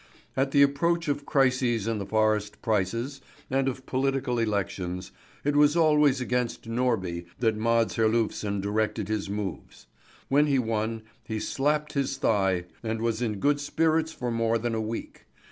At the approach of crises in forest prices, and of political elections, it was always against Norby that Mads Herlufsen directed his moves. When he won he slapped his thigh and was in good spirits for more than a week.